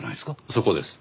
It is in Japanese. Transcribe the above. そこです。